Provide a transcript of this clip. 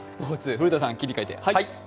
古田さん、切り替えて。